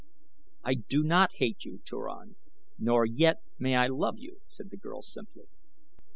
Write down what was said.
'" "I do not hate you, Turan, nor yet may I love you," said the girl, simply.